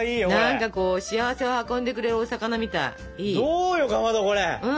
どうよかまどこれ。